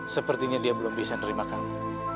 sepertinya dia belum bisa nerima kamu